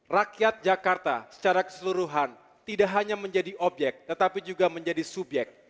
rakyat jakarta secara keseluruhan tidak hanya menjadi obyek tetapi juga menjadi subyek